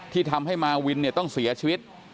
ที่ทำให้มาวินต้องเสียชีวิต